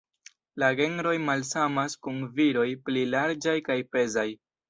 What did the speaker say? La genroj malsamas kun viroj pli larĝaj kaj pezaj.